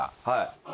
はい。